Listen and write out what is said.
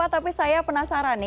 tapi saya penasaran nih